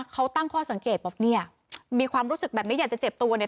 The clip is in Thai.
เขาตั้งข้อสังเกตบอกเนี่ยมีความรู้สึกแบบนี้อยากจะเจ็บตัวเนี่ย